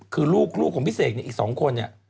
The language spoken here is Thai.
คือลูกของพี่เสกเนี่ยอีก๒คนเนี่ย